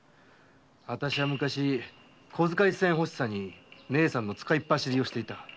私は昔小遣い銭欲しさに姐さんの使いっ走りをしてた。